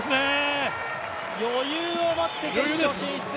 余裕を持って決勝進出